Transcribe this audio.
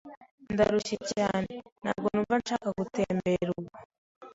Ndarushye cyane. Ntabwo numva nshaka gutembera ubu.